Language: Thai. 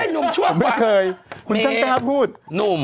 เน่หนุ่มช่วงฐานเมฆหนุ่ม